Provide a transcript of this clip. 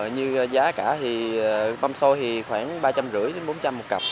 như giá cả thì băm xôi khoảng ba trăm năm mươi bốn trăm linh một cặp